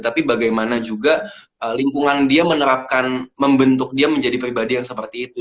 tapi bagaimana juga lingkungan dia menerapkan membentuk dia menjadi pribadi yang seperti itu